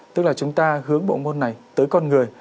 tức là chúng ta hướng bộ môn này tới con người